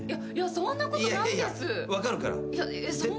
そんなことないですけど。